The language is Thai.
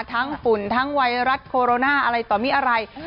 ฝุ่นทั้งไวรัสโคโรนาอะไรต่อมีอะไร